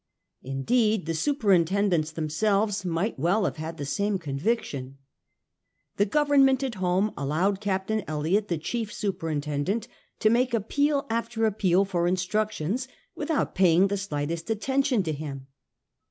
Indeed the superintendents themselves might well have had the same conviction. The Government at home allowed Captain Elliott, the chief superin tendent, to make appeal after appeal for instructions without paying the slightest attention to him.